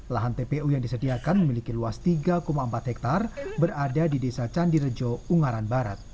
lahan tpu yang disediakan memiliki luas tiga empat hektare berada di desa candirejo ungaran barat